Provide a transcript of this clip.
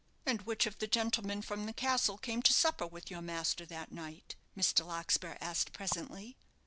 "And which of the gentlemen from the castle came to supper with your master that night?" Mr. Larkspur asked, presently.